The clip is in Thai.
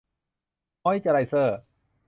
มอยส์เจอร์ไรเซอร์